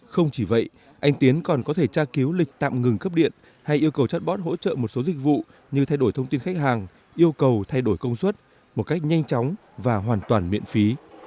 không chỉ vậy anh tiến còn có thể tra cứu lịch tạm ngừng cấp điện hay yêu cầu chatbot hỗ trợ một số dịch vụ như thay đổi thông tin khách hàng yêu cầu thay đổi công suất một cách nhanh chóng và hoàn toàn miễn phí